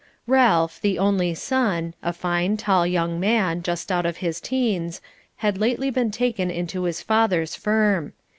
Ralph, the only son, a fine, tall young man, just out of his teens, had lately been taken into his father's firm.